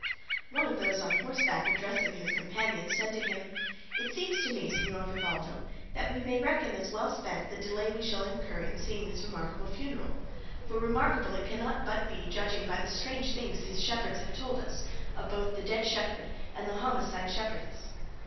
One of those on horseback addressing his companion said to him, "It seems to me, Señor Vivaldo, that we may reckon as well spent the delay we shall incur in seeing this remarkable funeral, for remarkable it cannot but be judging by the strange things these shepherds have told us, of both the dead shepherd and homicide shepherdess."